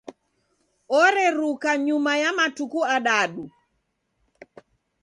Oreruka nyuma ya matuku adadu.